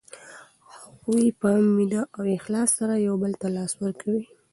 هغوی په مینه او اخلاص سره یو بل ته لاس ورکوي.